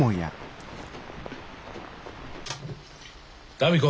民子。